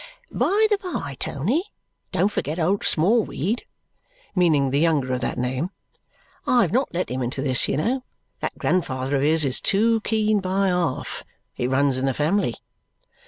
"By the by, Tony, don't forget old Smallweed," meaning the younger of that name. "I have not let him into this, you know. That grandfather of his is too keen by half. It runs in the family."